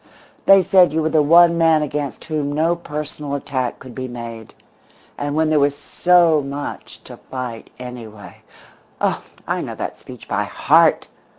They said you were the one man against whom no personal attack could be made. And when there was so much to fight, anyway oh, I know that speech by heart!